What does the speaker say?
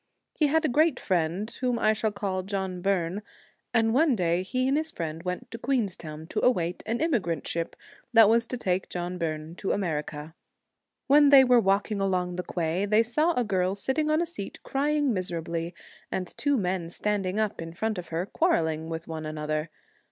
He had a great friend, whom I shall call John Byrne ; and one day he and his friend went to Queens town to await an emigrant ship, that was to take John Byrne to America. When they were walking along the quay, they 56 saw a girl sitting on a seat, crying miser An ably, and two men standing up in front of Heart, her quarrelling with one another.